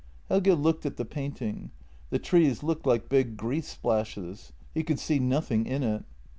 Helge looked at the painting; the trees looked like big grease splashes. He could see nothing in it.